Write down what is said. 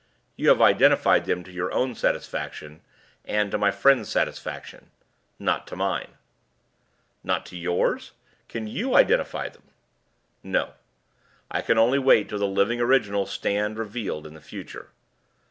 "You have identified them to your own satisfaction, and to my friend's satisfaction. Not to mine." "Not to yours? Can you identify them?" "No. I can only wait till the living originals stand revealed in the future."